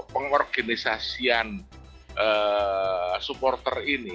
pengorganisasian supporter ini